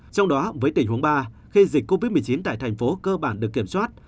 trong đó với tình huống ba khi dịch covid một mươi chín tại thành phố cơ bản được kiểm soát